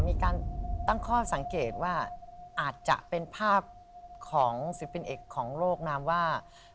มีการตั้งข้อสังเกตว่าอาจจะเป็นภาพของศิลปินเอกของโลกนามว่า